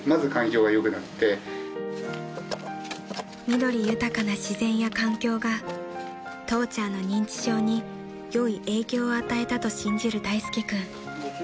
［緑豊かな自然や環境が父ちゃんの認知症に良い影響を与えたと信じる大介君］